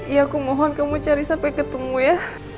ya aku mohon kamu cari sampai ketemu ya